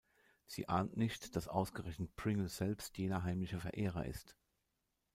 Sie ahnt nicht, dass ausgerechnet Pringle selbst jener heimliche Verehrer ist.